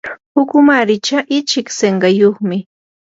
ukumaricha ichik sinqayuqmi.